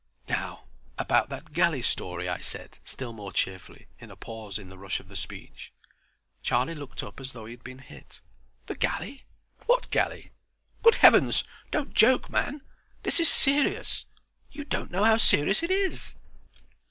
"Now, about that galley story," I said, still more cheerfully, in a pause in the rush of the speech. Charlie looked up as though he had been hit. "The galley—what galley? Good heavens, don't joke, man! This is serious! You don't know how serious it is!"